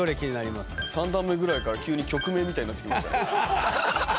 ３段目ぐらいから急に曲名みたいになってきました。